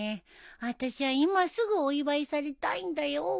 あたしは今すぐお祝いされたいんだよ。